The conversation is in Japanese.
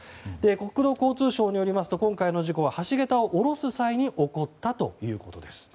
国土交通省によりますと今回の事故は橋桁を下ろす際に起こったということです。